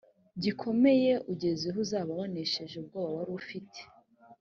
gikomeye ugezeho uzaba wanesheje ubwoba wari ufite